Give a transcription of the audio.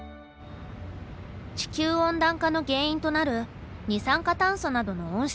地球温暖化の原因となる二酸化炭素などの温室効果ガス。